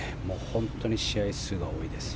本当に試合数が多いです。